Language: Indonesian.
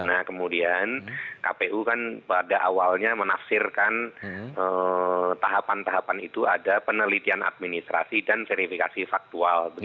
nah kemudian kpu kan pada awalnya menafsirkan tahapan tahapan itu ada penelitian administrasi dan verifikasi faktual